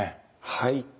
はい。